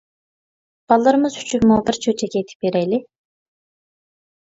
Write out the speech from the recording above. بالىلىرىمىز ئۈچۈنمۇ بىر چۆچەك ئېيتىپ بېرەيلى!